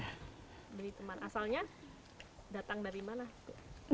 dari teman asalnya datang dari mana bu